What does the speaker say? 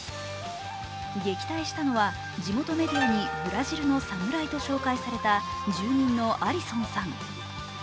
撃退したのは、地元メディアにブラジルのサムライと紹介された住人のアリソンさん。